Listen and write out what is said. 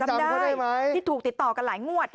ได้ไหมที่ถูกติดต่อกันหลายงวด